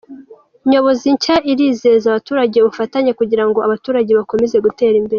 Nyobozi nshya irizeza abturage ubufatanye kugira ngo abaturage bakomeze gutera imbere.